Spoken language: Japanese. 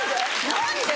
何で？